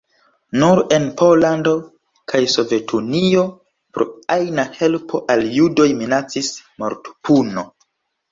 Nur en Pollando kaj Sovetunio pro ajna helpo al judoj minacis mortpuno.